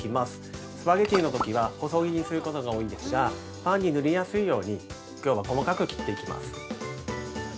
スパゲティのときは、細切りにすることが多いんですが、パンに塗りやすいようにきょうは細かく切っていきます。